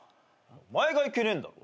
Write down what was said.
お前がいけねえんだろ。